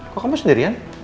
kok kamu sendirian